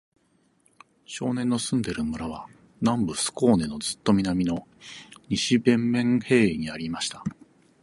少年の住んでいる村は、南部スコーネのずっと南の、西ヴェンメンヘーイにありました。